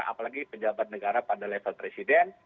apalagi pejabat negara pada level presiden